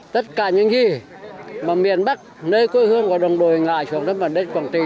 tất cả những gì mà miền bắc nơi quê hương của đồng đội ngại xuống giấc màn đất quảng trị